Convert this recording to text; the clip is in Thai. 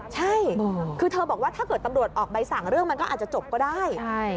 ใช่คือเธอบอกว่าถ้าเกิดตำรวจออกใบสั่งเรื่องมันก็อาจจะจบก็ได้